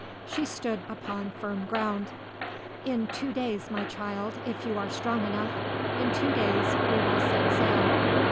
She stood upon firm ground. "In two days, my child, if you are strong enough. In two days we will set sail."